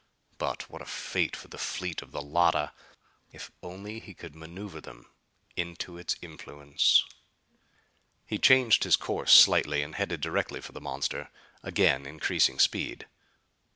But what a fate for the fleet of the Llotta! If only he could maneuver them into its influence. He changed his course slightly and headed directly for the monster, again increasing speed.